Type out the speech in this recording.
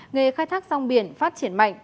nghề khai thác song biển phát triển mạnh